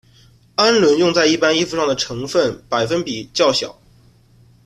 氨纶用在一般衣服上的成分百分比较小。